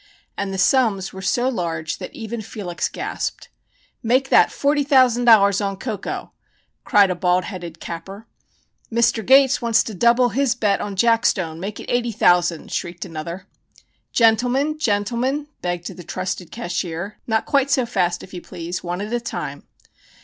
And the sums were so large that even Felix gasped. "Make that $40,000 on Coco!" cried a bald headed "capper." "Mr. Gates wants to double his bet on Jackstone, make it $80,000!" shrieked another. "Gentlemen! Gentlemen!" begged the "trusted cashier," "not quite so fast, if you please. One at a time."